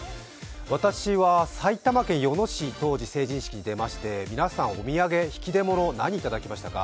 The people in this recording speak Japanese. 私は埼玉県与野市、当時、成人式に出まして、皆さん、お土産、引き出物、何をいただきましたか？